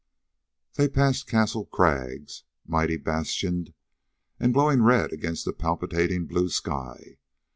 They passed Castle Crags, mighty bastioned and glowing red against the palpitating blue sky.